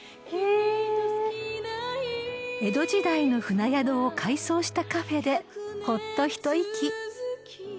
［江戸時代の船宿を改装したカフェでほっと一息］